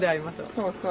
そうそう。